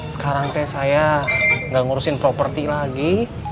sekarang teh saya nggak ngurusin properti lagi